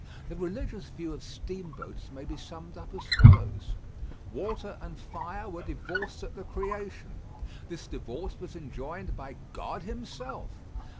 The religious view of steamboats may be summed up as follows: Water and fire were divorced at the creation. This divorce was enjoined by God himself.